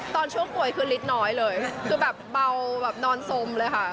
ตอนช่วงป่วยคือฤทธิน้อยเลยคือแบบเบาแบบนอนสมเลยค่ะ